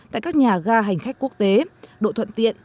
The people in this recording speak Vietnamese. tại các nhà ga hành khách quốc tế độ thuận tiện